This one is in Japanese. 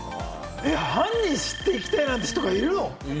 犯人、知っていきたいなんて言う人いるの？